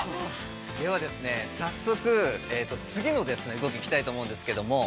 ◆では早速、次の動きに行きたいと思うんですけども。